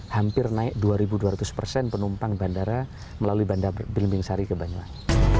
hampir naik dua dua ratus persen penumpang bandara melalui bandara belimbing sari ke banyuwangi